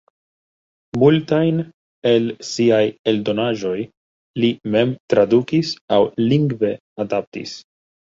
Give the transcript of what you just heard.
Multajn el siaj eldonaĵoj li mem tradukis aŭ lingve adaptis.